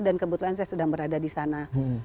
dan kebetulan saya sedang berada di sana